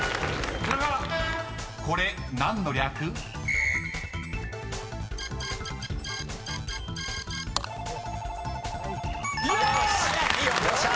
［これ何の略？］よっしゃ！